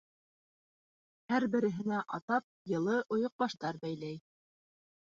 Һәр береһенә атап йылы ойоҡбаштар бәйләй.